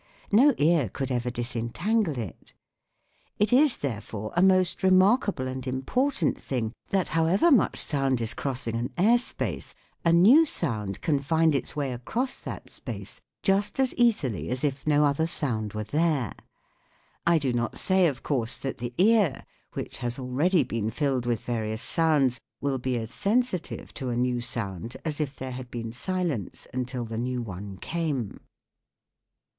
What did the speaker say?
No ear could ever disentangle it. It is therefore a most remarkable and important thing that how ever much sound is crossing an air space a new WHAT IS SOUND? 15 16 THE WORLD OF SOUND sound can find its way across that space just as easily as if no other sound were there. I do not say, of course, that the ear, which has already been filled with various sounds, will be as sensitive to a new sound as if there had been silence until the new one came.